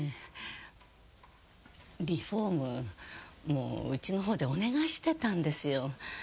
もううちのほうでお願いしてたんですよ。